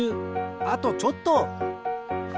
あとちょっと！